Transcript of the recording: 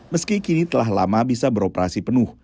meski kini telah lama bisa beroperasi penuh